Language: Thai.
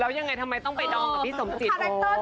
แล้วยังไงทำไมต้องไปดองกับพี่สมจิต